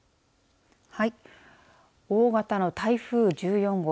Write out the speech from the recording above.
はい、大型の台風１４号。